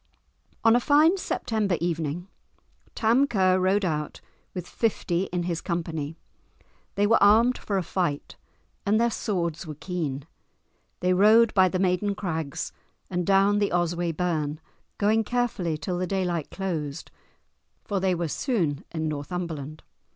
On a fine September evening Tam Ker rode out, with fifty in his company. They were armed for a fight and their swords were keen; they rode by the Maiden Crags and down the Osway burn, going carefully till the daylight closed, for they were soon in Northumberland.